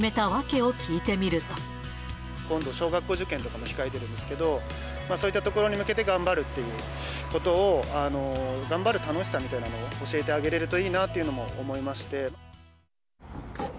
今回、今度、小学校受験とかも控えてるんですけれども、そういったところに向けて頑張るっていうことを、頑張る楽しさみたいなのを教えてあげれるといいなというのも思い